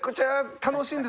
楽しんでた。